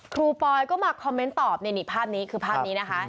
รูปอยก็มาคอมเมนต์ตอบนี่นี่ภาพนี้คือภาพนี้นะคะ